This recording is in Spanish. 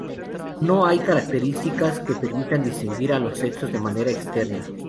No hay características que permitan distinguir a los sexos de manera externa.